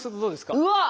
うわっ！